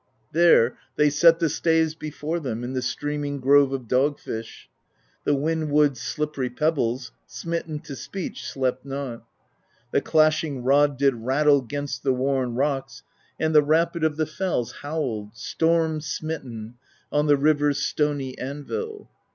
There they set the staves before them In the streaming grove of dogfish; The wind wood's slippery pebbles, Smitten to speech, slept not; The clashing rod did rattle 'Gainst the worn rocks, and the rapid Of the fells howled, storm smitten. On the river's stony anvil.